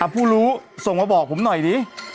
ผู้รู้ส่งมาบอกผมหน่อยดิ